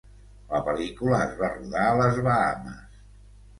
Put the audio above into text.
La pel·lícula es va rodar a les Bahames.